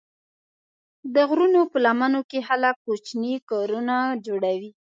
د غرونو په لمنو کې خلک کوچني کورونه جوړوي.